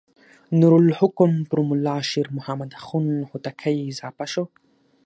نور الحکم پر ملا شیر محمد اخوند هوتکی اضافه شو.